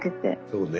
そうね。